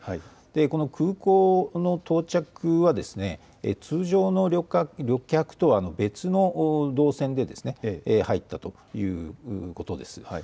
この空港の到着は通常の旅客とは別の動線で入ったということです。